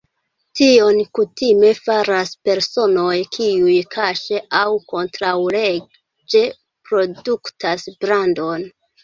Tion kutime faras personoj, kiuj kaŝe aŭ kontraŭleĝe produktas brandon.